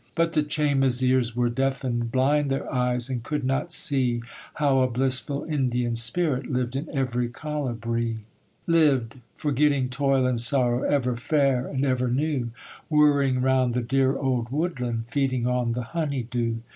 'But the Chaymas' ears were deafened; Blind their eyes, and could not see How a blissful Indian's spirit Lived in every colibri. 'Lived, forgetting toil and sorrow, Ever fair and ever new; Whirring round the dear old woodland, Feeding on the honey dew.